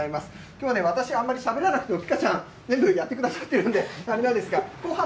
きょうは、私、あまりしゃべらなくてもピカちゃん、全部やってくださってるんで。